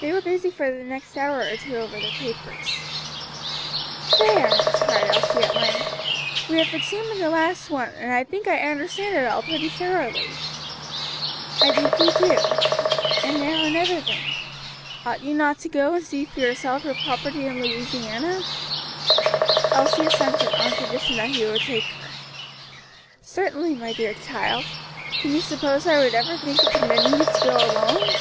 They were busy for the next hour or two over the papers. "There!" cried Elsie, at length, "we have examined the last one, and I think I understand it all pretty thoroughly." "I think you do. And now another thing; ought you not to go and see for yourself your property in Louisiana?" Elsie assented, on condition that he would take her. "Certainly, my dear child, can you suppose I would ever think of permitting you to go alone?"